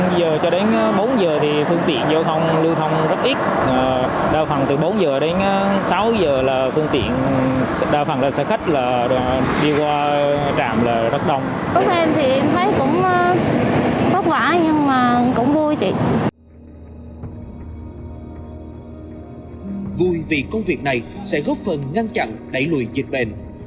vui vì công việc này sẽ góp phần ngăn chặn đẩy lùi dịch bệnh